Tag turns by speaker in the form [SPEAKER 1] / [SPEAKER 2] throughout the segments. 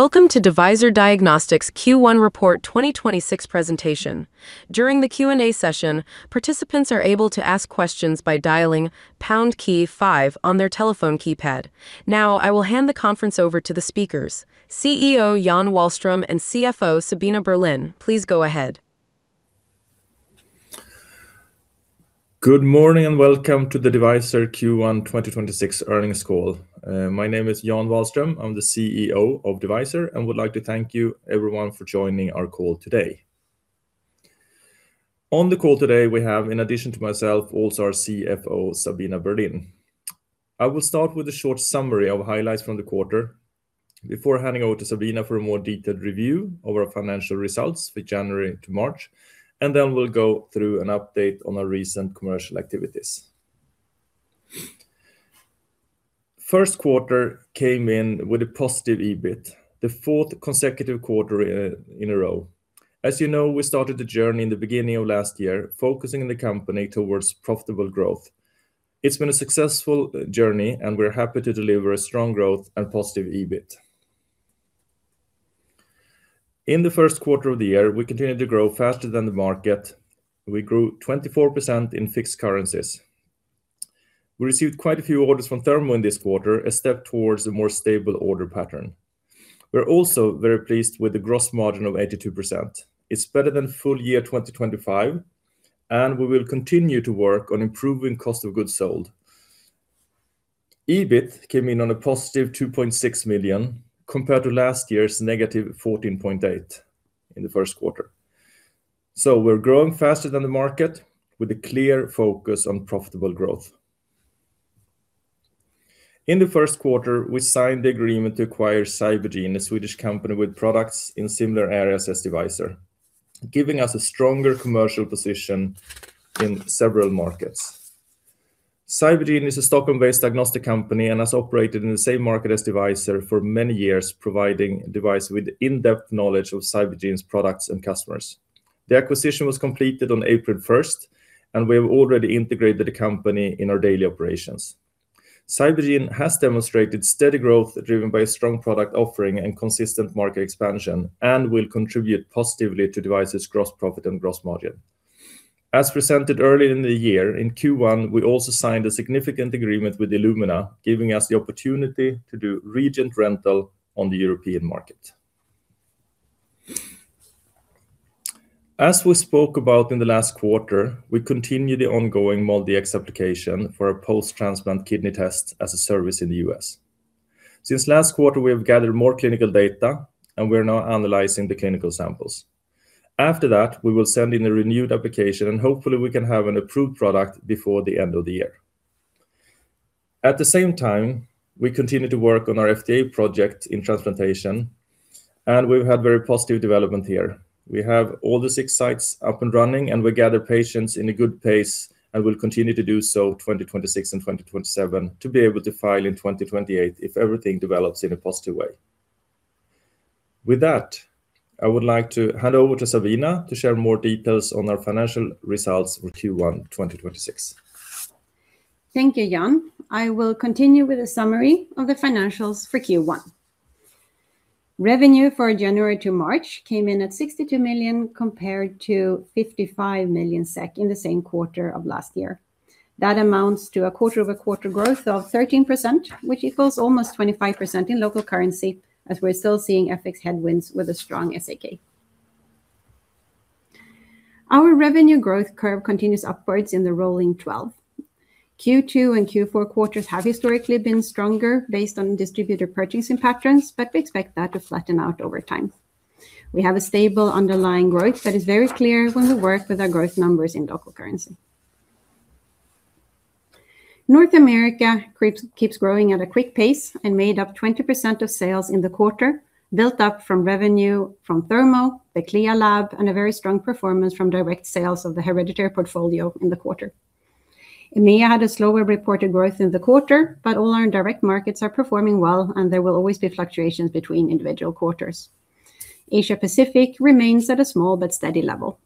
[SPEAKER 1] Welcome to Devyser Diagnostics Q1 2026 Presentation. During the Q&A session, participants are able to ask questions by dialing pound key five on their telephone keypad. Now, I will hand the conference over to the speakers. CEO Jan Wahlström and CFO Sabina Berlin, please go ahead.
[SPEAKER 2] Good morning and welcome to the Devyser Q1 2026 earnings call. My name is Jan Wahlström. I'm the CEO of Devyser and would like to thank you everyone for joining our call today. On the call today we have, in addition to myself, also our CFO, Sabina Berlin. I will start with a short summary of highlights from the quarter before handing over to Sabina for a more detailed review of our financial results for January to March, and then we'll go through an update on our recent commercial activities. First quarter came in with a positive EBIT, the fourth consecutive quarter in a row. As you know, we started the journey in the beginning of last year, focusing the company towards profitable growth. It's been a successful journey, and we're happy to deliver a strong growth and positive EBIT. In the first quarter of the year, we continued to grow faster than the market. We grew 24% in fixed currencies. We received quite a few orders from Thermo in this quarter, a step towards a more stable order pattern. We're also very pleased with the gross margin of 82%. It's better than full year 2025, and we will continue to work on improving cost of goods sold. EBIT came in on a positive 2.6 million compared to last year's negative 14.8 million in the first quarter. We're growing faster than the market with a clear focus on profitable growth. In the first quarter, we signed the agreement to acquire Cybergene, a Swedish company with products in similar areas as Devyser, giving us a stronger commercial position in several markets. Cybergene is a Stockholm-based diagnostic company and has operated in the same market as Devyser for many years, providing Devyser with in-depth knowledge of Cybergene's products and customers. The acquisition was completed on April first, and we have already integrated the company in our daily operations. Cybergene has demonstrated steady growth driven by a strong product offering and consistent market expansion and will contribute positively to Devyser's gross profit and gross margin. As presented early in the year, in Q1, we also signed a significant agreement with Illumina, giving us the opportunity to do reagent rental on the European market. As we spoke about in the last quarter, we continue the ongoing MolDX application for a post-transplant kidney test as a service in the U.S. Since last quarter, we have gathered more clinical data, and we're now analyzing the clinical samples. After that, we will send in a renewed application, and hopefully we can have an approved product before the end of the year. At the same time, we continue to work on our FDA project in transplantation, and we've had very positive development here. We have all the six sites up and running, and we gather patients in a good pace and will continue to do so 2026 and 2027 to be able to file in 2028 if everything develops in a positive way. With that, I would like to hand over to Sabina Berlin to share more details on our financial results for Q1 2026.
[SPEAKER 3] Thank you, Jan. I will continue with a summary of the financials for Q1. Revenue for January to March came in at 62 million compared to 55 million SEK in the same quarter of last year. That amounts to a quarter-over-quarter growth of 13%, which equals almost 25% in local currency, as we're still seeing FX headwinds with a strong SEK. Our revenue growth curve continues upwards in the rolling twelve. Q2 and Q4 quarters have historically been stronger based on distributor purchasing patterns, but we expect that to flatten out over time. We have a stable underlying growth that is very clear when we work with our growth numbers in local currency. North America keeps growing at a quick pace and made up 20% of sales in the quarter, built up from revenue from Thermo, the CLIA lab, and a very strong performance from direct sales of the hereditary portfolio in the quarter. EMEA had a slower reported growth in the quarter, but all our indirect markets are performing well, and there will always be fluctuations between individual quarters. Asia-Pacific remains at a small but steady level.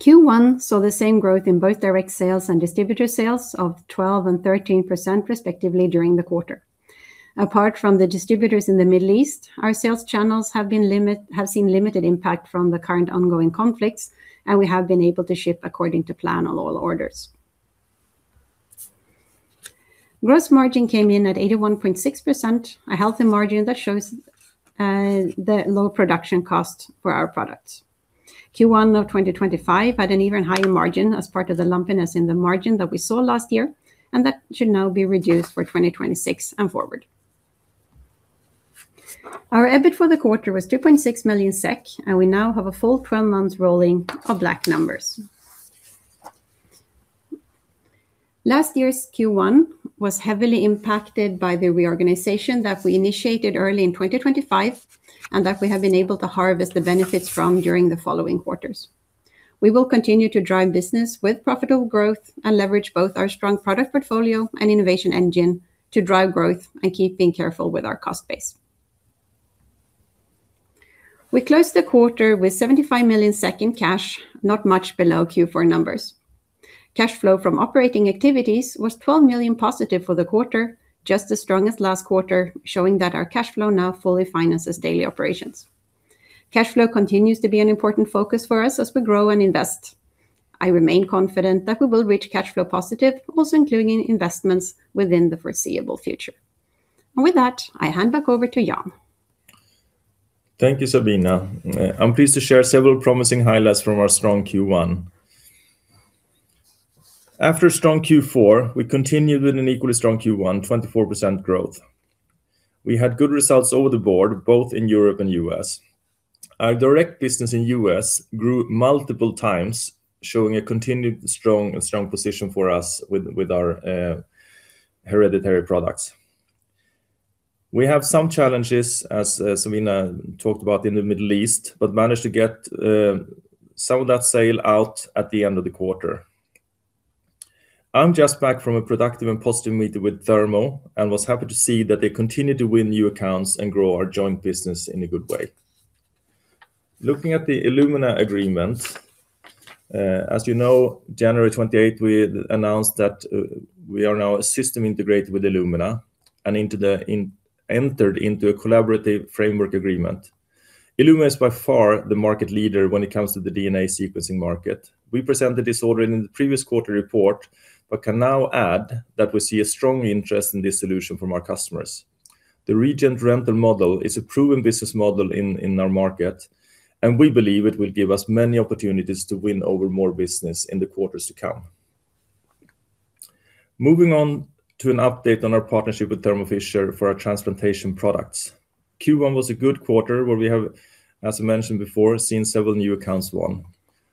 [SPEAKER 3] Q1 saw the same growth in both direct sales and distributor sales of 12% and 13% respectively during the quarter. Apart from the distributors in the Middle East, our sales channels have seen limited impact from the current ongoing conflicts, and we have been able to ship according to plan on all orders. Gross margin came in at 81.6%, a healthy margin that shows the low production cost for our products. Q1 of 2025 had an even higher margin as part of the lumpiness in the margin that we saw last year, and that should now be reduced for 2026 and forward. Our EBIT for the quarter was 2.6 million SEK, and we now have a full 12 months rolling of black numbers. Last year's Q1 was heavily impacted by the reorganization that we initiated early in 2025 and that we have been able to harvest the benefits from during the following quarters. We will continue to drive business with profitable growth and leverage both our strong product portfolio and innovation engine to drive growth and keep being careful with our cost base. We closed the quarter with 75 million in cash, not much below Q4 numbers. Cash flow from operating activities was 12 million positive for the quarter, just as strong as last quarter, showing that our cash flow now fully finances daily operations. Cash flow continues to be an important focus for us as we grow and invest. I remain confident that we will reach cash flow positive, also including investments within the foreseeable future. With that, I hand back over to Jan.
[SPEAKER 2] Thank you, Sabina. I'm pleased to share several promising highlights from our strong Q1. After a strong Q4, we continued with an equally strong Q1, 24% growth. We had good results across the board, both in Europe and U.S. Our direct business in U.S. grew multiple times, showing a continued strong position for us with our hereditary products. We have some challenges, as Sabina talked about in the Middle East, but managed to get some of that sale out at the end of the quarter. I'm just back from a productive and positive meeting with Thermo, and was happy to see that they continue to win new accounts and grow our joint business in a good way. Looking at the Illumina agreement, as you know, January 28, we announced that we are now a system integrator with Illumina and entered into a collaborative framework agreement. Illumina is by far the market leader when it comes to the DNA sequencing market. We presented this already in the previous quarter report, but can now add that we see a strong interest in this solution from our customers. The reagent rental model is a proven business model in our market, and we believe it will give us many opportunities to win over more business in the quarters to come. Moving on to an update on our partnership with Thermo Fisher for our transplantation products. Q1 was a good quarter where we have, as I mentioned before, seen several new accounts won.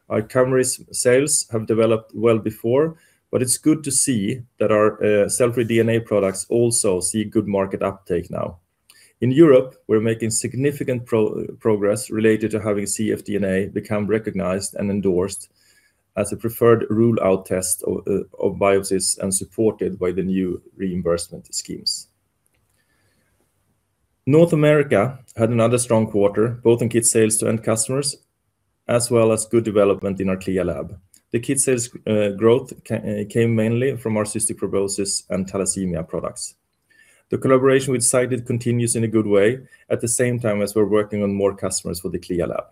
[SPEAKER 2] Our Kamri sales have developed well before, but it's good to see that our cell-free DNA products also see good market uptake now. In Europe, we're making significant progress related to having cfDNA become recognized and endorsed as a preferred rule-out test of biopsies and supported by the new reimbursement schemes. North America had another strong quarter, both in kit sales to end customers, as well as good development in our CLIA lab. The kit sales growth came mainly from our cystic fibrosis and thalassemia products. The collaboration with Cyded continues in a good way, at the same time as we're working on more customers for the CLIA lab.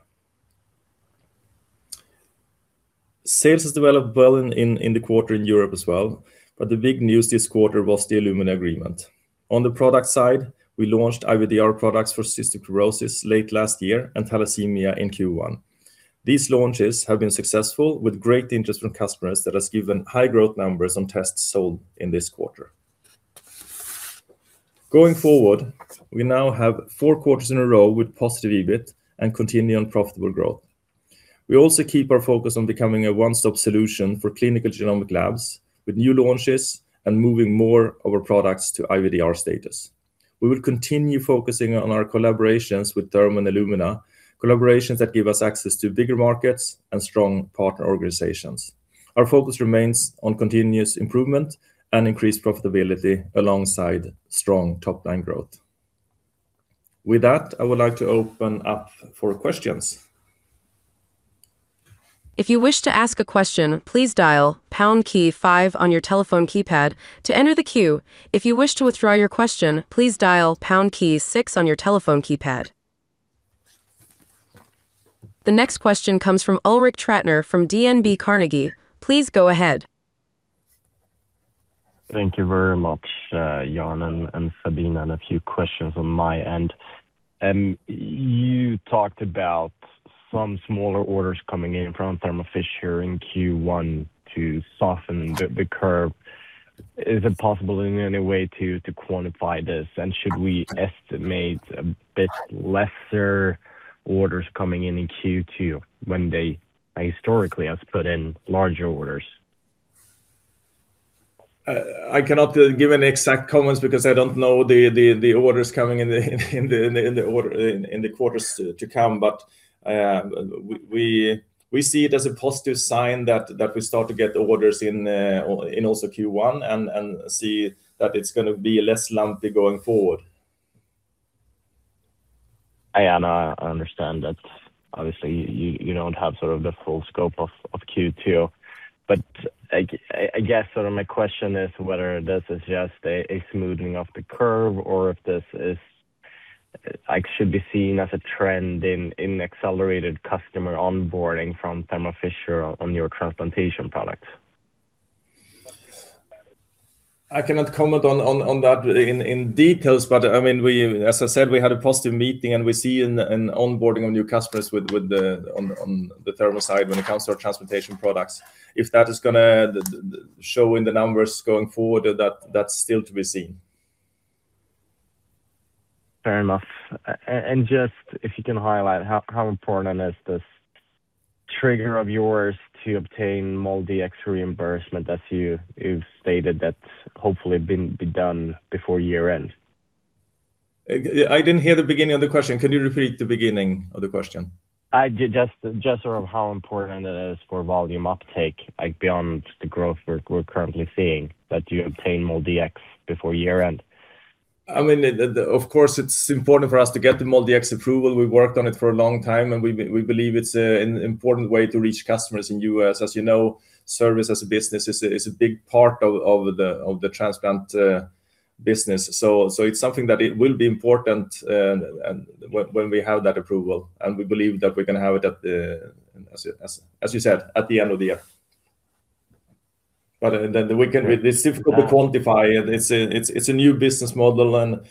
[SPEAKER 2] Sales has developed well in the quarter in Europe as well, but the big news this quarter was the Illumina agreement. On the product side, we launched IVDR products for cystic fibrosis late last year and thalassemia in Q1. These launches have been successful with great interest from customers that has given high growth numbers on tests sold in this quarter. Going forward, we now have four quarters in a row with positive EBIT and continuing profitable growth. We also keep our focus on becoming a one-stop solution for clinical genomic labs with new launches and moving more of our products to IVDR status. We will continue focusing on our collaborations with Thermo and Illumina, collaborations that give us access to bigger markets and strong partner organizations. Our focus remains on continuous improvement and increased profitability alongside strong top-line growth. With that, I would like to open up for questions.
[SPEAKER 1] The next question comes from Ulrik Trattner from DNB Carnegie. Please go ahead.
[SPEAKER 4] Thank you very much, Jan and Sabina, and a few questions on my end. You talked about some smaller orders coming in from Thermo Fisher in Q1 to soften the curve. Is it possible in any way to quantify this? Should we estimate a bit lesser orders coming in in Q2 when they historically has put in larger orders?
[SPEAKER 2] I cannot give any exact comments because I don't know the orders coming in the quarters to come. We see it as a positive sign that we start to get orders in also Q1 and see that it's gonna be less lumpy going forward.
[SPEAKER 4] Yeah, no, I understand that obviously you don't have sort of the full scope of Q2. I guess sort of my question is whether this is just a smoothing of the curve or if this is like should be seen as a trend in accelerated customer onboarding from Thermo Fisher on your transplantation products.
[SPEAKER 2] I cannot comment on that in details, but I mean, as I said, we had a positive meeting, and we see an onboarding of new customers on the Thermo side when it comes to our transplantation products. If that is gonna show in the numbers going forward, that's still to be seen.
[SPEAKER 4] Fair enough. Just if you can highlight how important is this trigger of yours to obtain MolDX reimbursement that you've stated that hopefully be done before year end?
[SPEAKER 2] I didn't hear the beginning of the question. Could you repeat the beginning of the question?
[SPEAKER 4] I just sort of how important it is for volume uptake, like beyond the growth we're currently seeing that you obtain MolDX before year-end.
[SPEAKER 2] I mean, of course, it's important for us to get the MolDX approval. We've worked on it for a long time, and we believe it's an important way to reach customers in U.S. As you know, service as a business is a big part of the transplant business. It's something that it will be important, and when we have that approval, and we believe that we're gonna have it, as you said, at the end of the year. Then we can. It's difficult to quantify it. It's a new business model and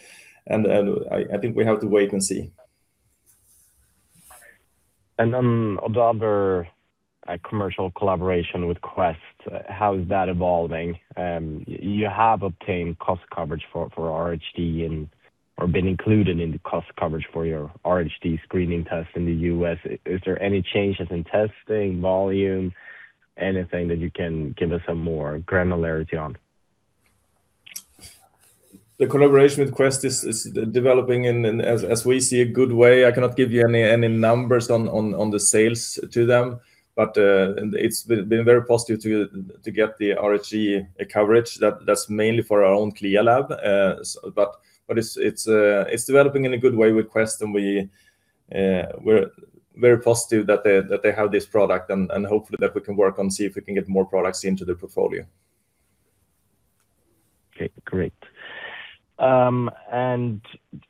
[SPEAKER 2] I think we have to wait and see.
[SPEAKER 4] The other commercial collaboration with Quest, how is that evolving? You have obtained cost coverage for RHD and/or been included in the cost coverage for your RHD screening test in the U.S. Is there any changes in testing volume, anything that you can give us some more granularity on?
[SPEAKER 2] The collaboration with Quest is developing in a good way as we see. I cannot give you any numbers on the sales to them. It's been very positive to get the RHD coverage that's mainly for our own CLIA lab. It's developing in a good way with Quest, and we're very positive that they have this product and hopefully that we can work and see if we can get more products into the portfolio.
[SPEAKER 4] Okay, great.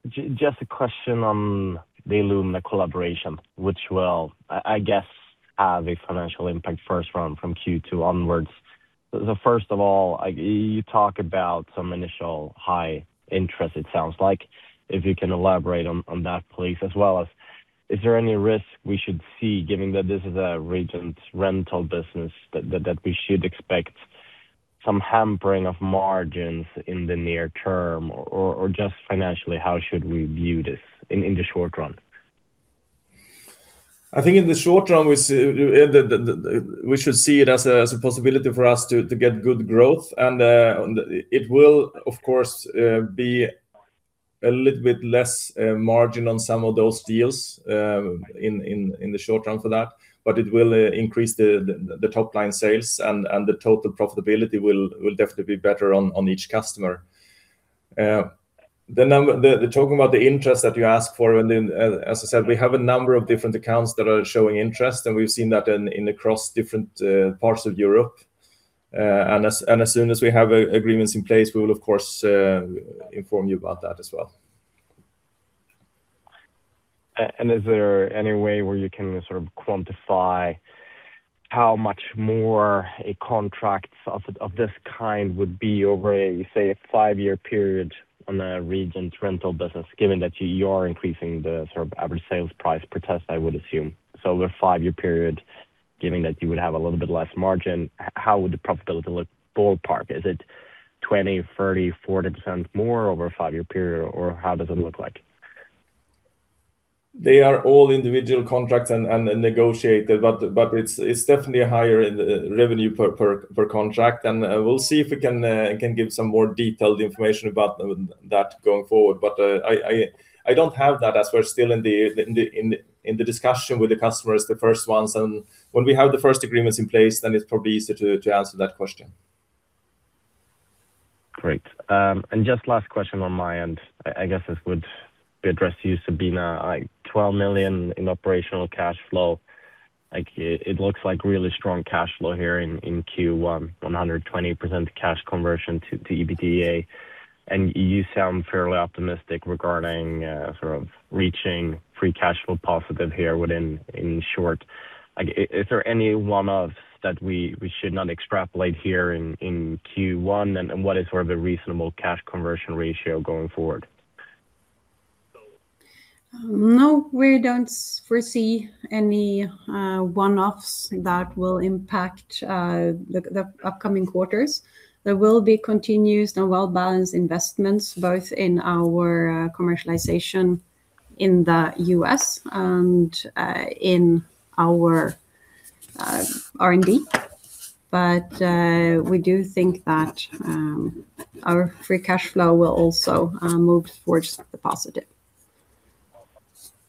[SPEAKER 4] Just a question on the Illumina collaboration, which will, I guess, have a financial impact first from Q2 onwards. First of all, like, you talk about some initial high interest, it sounds like. If you can elaborate on that please, as well as is there any risk we should see, given that this is a reagent rental business that we should expect some hampering of margins in the near term or just financially, how should we view this in the short run?
[SPEAKER 2] I think in the short run, we see that we should see it as a possibility for us to get good growth. It will, of course, be a little bit less margin on some of those deals in the short term for that, but it will increase the top-line sales and the total profitability will definitely be better on each customer. Talking about the interest that you asked for, as I said, we have a number of different accounts that are showing interest, and we've seen that across different parts of Europe. As soon as we have agreements in place, we will of course inform you about that as well.
[SPEAKER 4] Is there any way where you can sort of quantify how much more a contract of this kind would be over, say, a five-year period on a reagent rental business, given that you are increasing the sort of average sales price per test, I would assume. Over a five-year period, given that you would have a little bit less margin, how would the profitability look ballpark? Is it 20%, 30%, 40% more over a five-year period, or how does it look like?
[SPEAKER 2] They are all individual contracts and negotiated, but it's definitely a higher revenue per contract. We'll see if we can give some more detailed information about that going forward. I don't have that as we're still in the discussion with the customers, the first ones. When we have the first agreements in place, then it's probably easier to answer that question.
[SPEAKER 4] Great. And just last question on my end, I guess this would be addressed to you, Sabina. Like 12 million in operational cash flow. Like it looks like really strong cash flow here in Q1, 120% cash conversion to EBITDA. You sound fairly optimistic regarding sort of reaching free cash flow positive here within in short. Like is there any one-offs that we should not extrapolate here in Q1, and what is sort of a reasonable cash conversion ratio going forward?
[SPEAKER 3] No, we don't foresee any one-offs that will impact the upcoming quarters. There will be continuous and well-balanced investments, both in our commercialization in the U.S. and in our R&D. We do think that our free cash flow will also move towards the positive.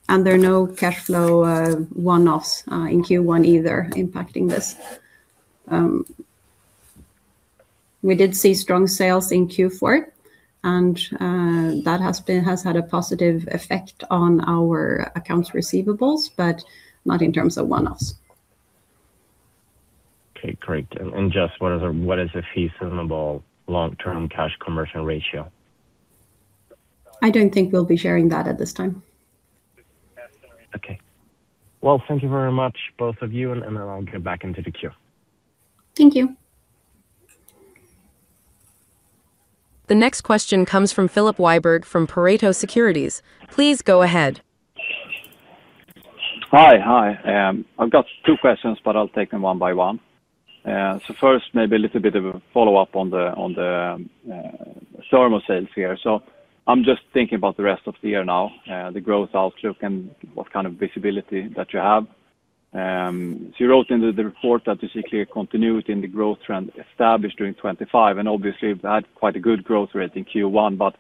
[SPEAKER 3] There are no cash flow one-offs in Q1 either impacting this. We did see strong sales in Q4, and that has had a positive effect on our accounts receivable, but not in terms of one-offs.
[SPEAKER 4] Okay, great. Just what is a feasible long-term cash conversion ratio?
[SPEAKER 3] I don't think we'll be sharing that at this time.
[SPEAKER 4] Okay. Well, thank you very much, both of you, and then I'll get back into the queue.
[SPEAKER 3] Thank you.
[SPEAKER 1] The next question comes from Filip Wiberg from Pareto Securities. Please go ahead.
[SPEAKER 5] Hi. Hi. I've got two questions, but I'll take them one by one. First, maybe a little bit of a follow-up on the Thermo sales here. I'm just thinking about the rest of the year now, the growth outlook and what kind of visibility that you have. You wrote in the report that you see clear continuity in the growth trend established during 2025, and obviously you've had quite a good growth rate in Q1.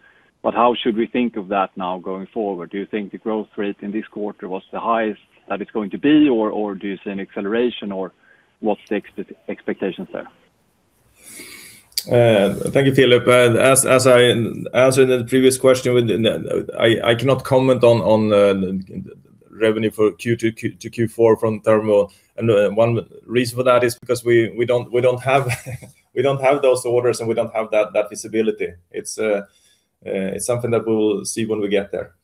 [SPEAKER 5] How should we think of that now going forward? Do you think the growth rate in this quarter was the highest that it's going to be, or do you see an acceleration, or what's the expectations there?
[SPEAKER 2] Thank you, Filip. As in the previous question, I cannot comment on revenue for Q2 to Q4 from Thermo. One reason for that is because we don't have those orders, and we don't have that visibility. It's something that we'll see when we get there.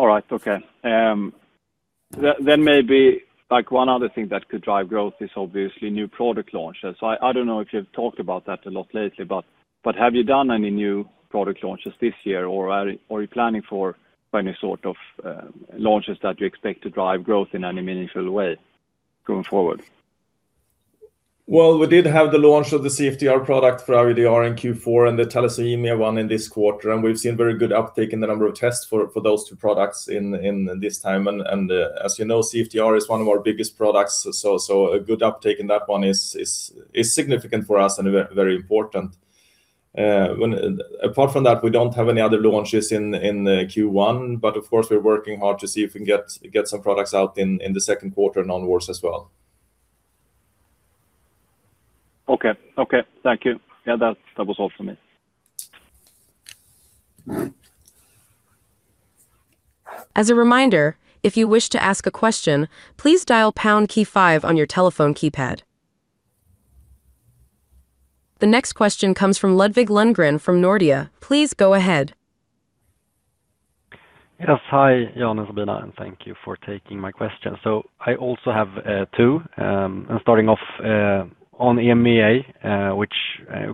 [SPEAKER 5] All right. Okay. Then maybe, like, one other thing that could drive growth is obviously new product launches. I don't know if you've talked about that a lot lately, but have you done any new product launches this year, or are you planning for any sort of launches that you expect to drive growth in any meaningful way going forward?
[SPEAKER 2] Well, we did have the launch of the CFTR product for IVDR in Q4 and the thalassemia one in this quarter, and we've seen very good uptake in the number of tests for those two products in this time. As you know, CFTR is one of our biggest products, so a good uptake in that one is significant for us and very important. Apart from that, we don't have any other launches in Q1, but of course, we're working hard to see if we can get some products out in the second quarter onwards as well.
[SPEAKER 5] Okay. Thank you. Yeah, that was all for me.
[SPEAKER 1] As a reminder, if you wish to ask a question, please dial pound key five on your telephone keypad. The next question comes from Ludvig Lundgren from Nordea. Please go ahead.
[SPEAKER 6] Yes. Hi Jan and Sabina, and thank you for taking my question. I also have two and starting off on EMEA, which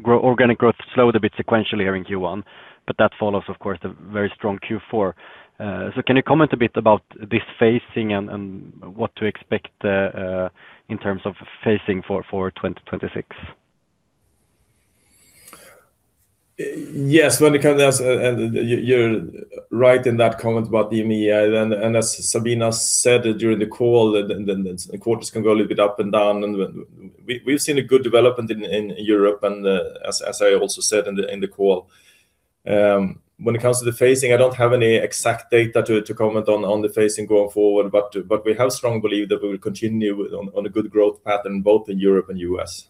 [SPEAKER 6] organic growth slowed a bit sequentially here in Q1, but that follows, of course, the very strong Q4. Can you comment a bit about this phasing and what to expect in terms of phasing for 2026?
[SPEAKER 2] Yes. You're right in that comment about EMEA. As Sabina said during the call, that quarters can go a little bit up and down. We've seen a good development in Europe, as I also said in the call. When it comes to the phasing, I don't have any exact data to comment on the phasing going forward, but we have strong belief that we will continue on a good growth pattern both in Europe and U.S.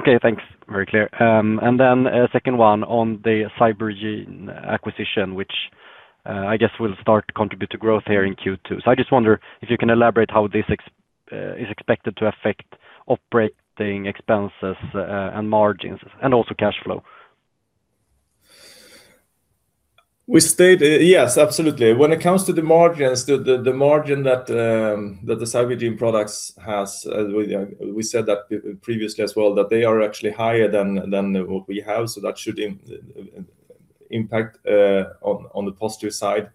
[SPEAKER 6] Okay, thanks. Very clear. Then a second one on the Cybergene acquisition, which, I guess will start to contribute to growth here in Q2. I just wonder if you can elaborate how this is expected to affect operating expenses, and margins and also cash flow.
[SPEAKER 2] Yes, absolutely. When it comes to the margins, the margin that the Cybergene products has, we said that previously as well, that they are actually higher than what we have, so that should impact on the positive side.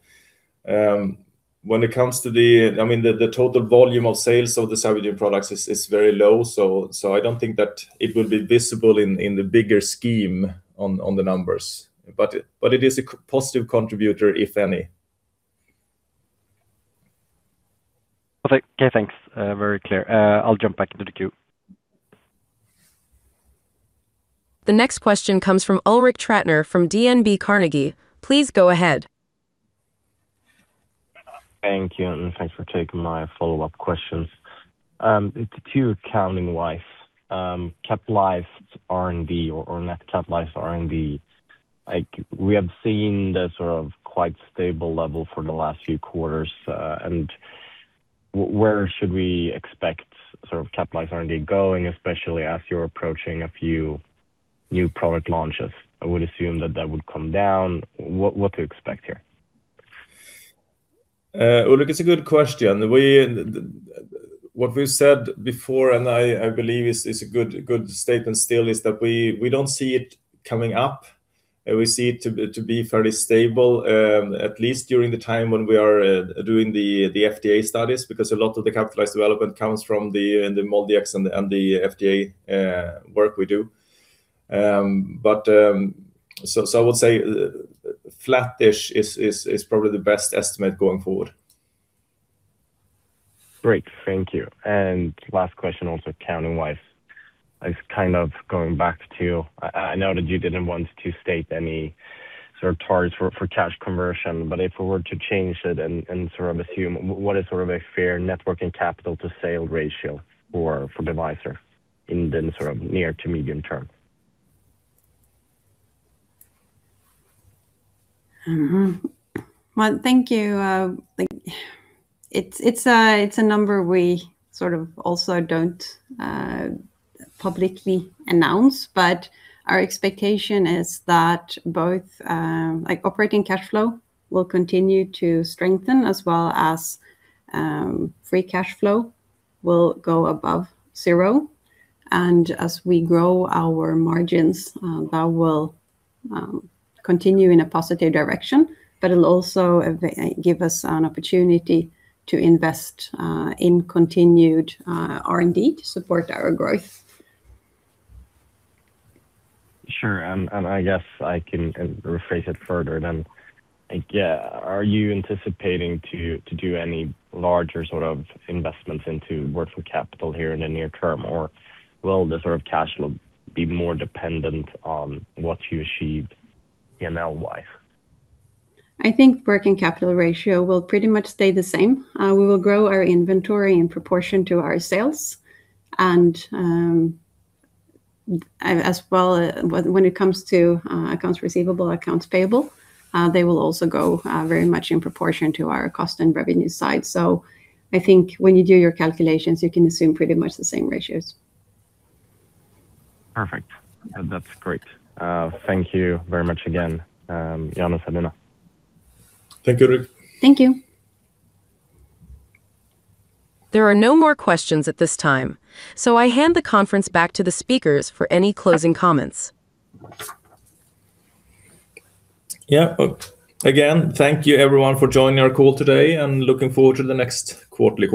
[SPEAKER 2] When it comes to the, I mean, the total volume of sales of the Cybergene products is very low, so I don't think that it will be visible in the bigger scheme on the numbers. It is a positive contributor, if any.
[SPEAKER 6] Okay. Okay, thanks. Very clear. I'll jump back into the queue.
[SPEAKER 1] The next question comes from Ulrik Trattner from DNB Carnegie. Please go ahead.
[SPEAKER 4] Thank you, and thanks for taking my follow-up questions. It's about accounting-wise, capitalized R&D or net capitalized R&D. Like, we have seen the sort of quite stable level for the last few quarters, and where should we expect sort of capitalized R&D going, especially as you're approaching a few new product launches? I would assume that that would come down. What to expect here?
[SPEAKER 2] Look, it's a good question. What we said before, and I believe is a good statement still, is that we don't see it coming up. We see it to be fairly stable, at least during the time when we are doing the FDA studies, because a lot of the capitalized development comes from the MolDX and the FDA work we do. I would say flatish is probably the best estimate going forward.
[SPEAKER 4] Great. Thank you. Last question, also accounting-wise. It's kind of going back to I know that you didn't want to state any sort of targets for cash conversion, but if we were to change it and sort of assume, what is sort of a fair net working capital to sales ratio for Devyser in the sort of near to medium term?
[SPEAKER 3] Well, thank you. It's a number we sort of also don't publicly announce, but our expectation is that both, like, operating cashflow will continue to strengthen as well as free cashflow will go above zero. As we grow our margins, that will continue in a positive direction, but it'll also give us an opportunity to invest in continued R&D to support our growth.
[SPEAKER 4] Sure. I guess I can rephrase it further then. Like, yeah, are you anticipating to do any larger sort of investments into working capital here in the near term, or will the sort of cash flow be more dependent on what you achieve in FY?
[SPEAKER 3] I think working capital ratio will pretty much stay the same. We will grow our inventory in proportion to our sales and, as well when it comes to, accounts receivable, accounts payable, they will also grow, very much in proportion to our cost and revenue side. I think when you do your calculations, you can assume pretty much the same ratios.
[SPEAKER 4] Perfect. That's great. Thank you very much again, Jan and Sabina.
[SPEAKER 2] Thank you, Ulrik Trattner.
[SPEAKER 3] Thank you.
[SPEAKER 1] There are no more questions at this time, so I hand the conference back to the speakers for any closing comments.
[SPEAKER 2] Yeah. Again, thank you everyone for joining our call today, and we are looking forward to the next quarterly call.